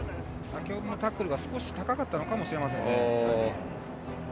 先ほどのタックルが少し高かったのかもしれません。